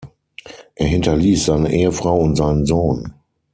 Er hinterließ seine Ehefrau und seinen Sohn.